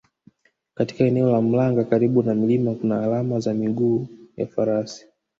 Katika eneo la Mlanga karibu na mlima kuna alama za miguu ya Farasi